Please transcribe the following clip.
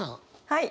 はい。